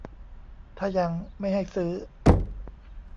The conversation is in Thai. ถ้ายังไม่ให้ซื้อ